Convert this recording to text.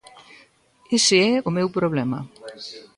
Ese é o meu problema.